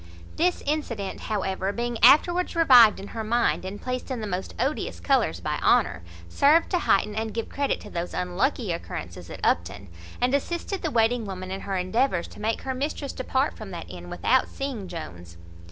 This incident, however, being afterwards revived in her mind, and placed in the most odious colours by Honour, served to heighten and give credit to those unlucky occurrences at Upton, and assisted the waiting woman in her endeavours to make her mistress depart from that inn without seeing Jones.